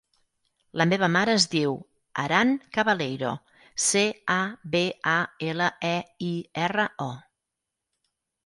La meva mare es diu Aran Cabaleiro: ce, a, be, a, ela, e, i, erra, o.